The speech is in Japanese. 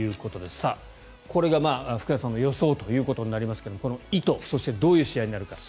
さあ、これが福田さんの予想となりますがこの意図そして、どういう試合になるか。